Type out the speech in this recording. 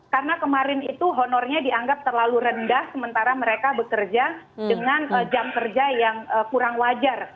karena kemarin itu honornya dianggap terlalu rendah sementara mereka bekerja dengan jam kerja yang kurang wajar